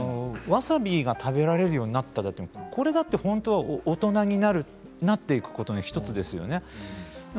わさびが食べられるようになったっていうことも本当に大人になっていくことの１つですよね。